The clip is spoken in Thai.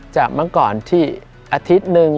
เมื่อก่อนที่อาทิตย์หนึ่ง